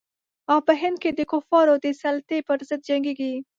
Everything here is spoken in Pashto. او په هند کې د کفارو د سلطې پر ضد جنګیږي.